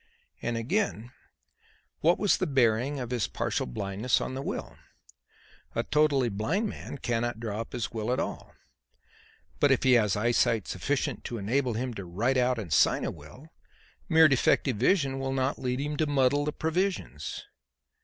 And again, what was the bearing of his partial blindness on the will? A totally blind man cannot draw up his will at all. But if he has eyesight sufficient to enable him to write out and sign a will, mere defective vision will not lead him to muddle the provisions.